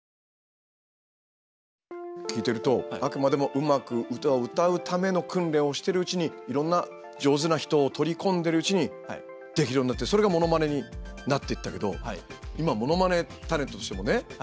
聞いてるとあくまでもうまく歌を歌うための訓練をしてるうちにいろんな上手な人を取り込んでるうちにできるようになってそれがモノマネになっていったけど今モノマネタレントとしてもねたくさん活躍してる。